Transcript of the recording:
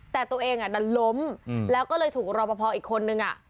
แต่ตัวเองดันล้มแล้วก็เลยถูกรอปภอีกคนนึง